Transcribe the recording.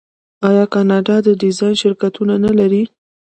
آیا کاناډا د ډیزاین شرکتونه نلري؟